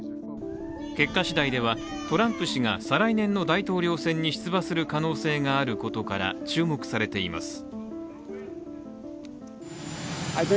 結果しだいでは、トランプ氏が再来年の大統領選に出馬する可能性があることから注目されています。